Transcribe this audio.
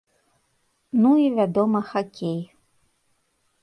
Ну і, вядома, хакей.